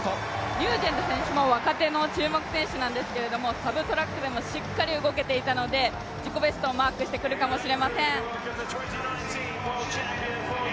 ニュージェント選手も若手の注目選手なんですが、サブトラックでもしっかり動けていたので自己ベストをマークしてくるかもしれません。